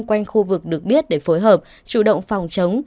quanh khu vực được biết để phối hợp chủ động phòng chống